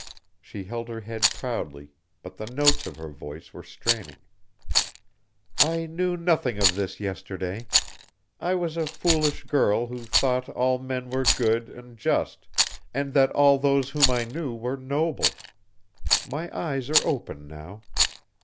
She held her head proudly, but the notes of her voice were straining. "I knew nothing of this yesterday. I was a foolish girl who thought all men were good and just, and that all those whom I knew were noble. My eyes are open now.